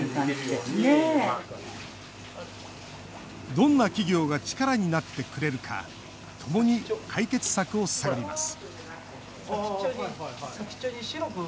どんな企業が力になってくれるかともに解決策を探ります